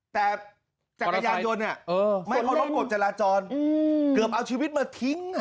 แต่จักรยานยนต์ไม่เคารพกฎจราจรเกือบเอาชีวิตมาทิ้ง